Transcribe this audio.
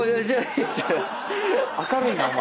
明るいなお前。